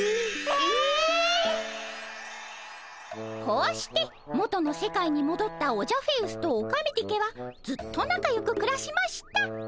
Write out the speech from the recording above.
こうして元の世界にもどったオジャフェウスとオカメディケはずっとなかよくくらしました。